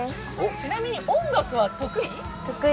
ちなみに音楽は得意？